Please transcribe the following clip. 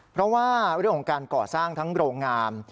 เพราะว่าเรื่องของการก่อสร้างทั้งโรงงาน